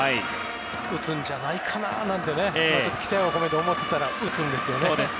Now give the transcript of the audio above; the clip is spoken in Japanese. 打つんじゃないかな、なんて期待は込めて思ってたら打つんですよね。